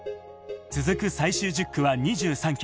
続く最終１０区は２３ｋｍ。